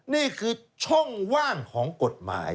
นี่คือช่องว่างของกฎหมาย